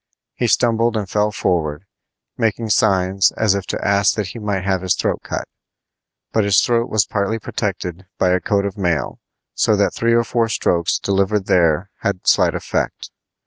He stumbled and fell forward, making signs as if to ask that he might have his throat cut. But his throat was partly protected by a coat of mail, so that three or four strokes delivered there had slight effect.